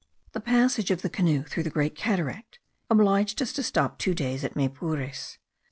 The passage of the canoe through the Great Cataract obliged us to stop two days at Maypures.